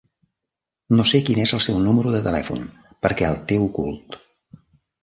No sé quin és el seu número de telèfon perquè el té ocult